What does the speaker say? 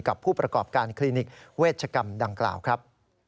ผู้ประกอบการคลินิกเวชกรรมดังกล่าวครับ